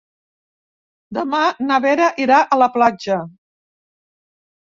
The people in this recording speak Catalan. Demà na Vera irà a la platja.